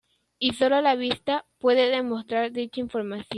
Y solo la vista, puede demostrar dicha información.